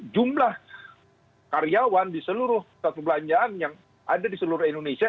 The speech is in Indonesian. jumlah karyawan di seluruh pusat perbelanjaan yang ada di seluruh indonesia